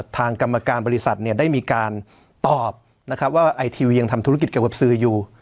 ทางกรรมการบริษัทเนี่ยได้มีการตอบนะครับว่าไอทีวียังทำธุรกิจเกี่ยวกับสื่ออยู่